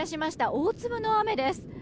大粒の雨です。